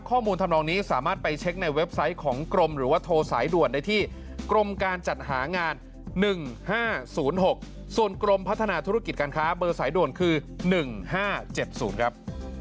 ข้อมูลทำนองนี้สามารถไปเช็คในเว็บไซต์ของกรมหรือว่าโทรสายด่วนได้ที่กรมการจัดหางาน๑๕๐๖ส่วนกรมพัฒนาธุรกิจการค้าเบอร์สายด่วนคือ๑๕๗๐ครับ